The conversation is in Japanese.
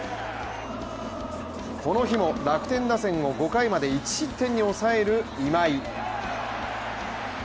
この日も楽天打線を５回まで１失点に抑える今井。